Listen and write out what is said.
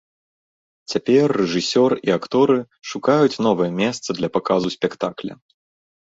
Цяпер рэжысёр і акторы шукаюць новае месца для паказу спектакля.